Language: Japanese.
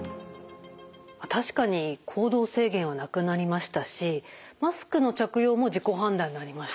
確かに行動制限はなくなりましたしマスクの着用も自己判断になりました。